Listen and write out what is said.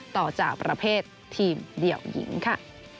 ต่อจากประเภททีมเดี่ยวหญิงค่ะ